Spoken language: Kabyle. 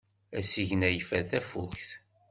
Asigna yeffer tafukt.